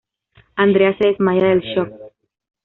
Andrea se desmaya del shock.